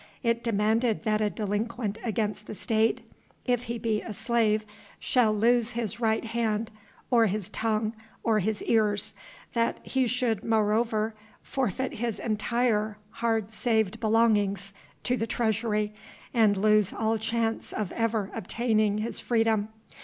It demanded that a delinquent against the State if he be a slave shall lose his right hand, or his tongue, or his ears; that he should moreover forfeit his entire hard saved belongings to the treasury and lose all chance of ever obtaining his freedom.